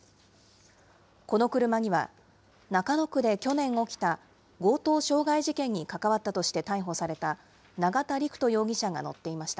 この車には、中野区で去年起きた強盗傷害事件に関わったとして逮捕された、永田陸人容疑者が乗っていました。